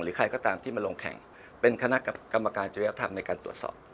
ใครก็ตามที่มาลงแข่งเป็นคณะกรรมการจริยธรรมในการตรวจสอบ